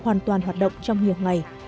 hoàn toàn hoạt động trong nhiều ngày